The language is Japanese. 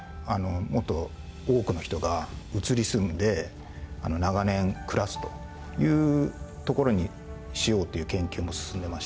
もっと多くの人が移り住んで長年暮らすというところにしようっていう研究も進んでまして。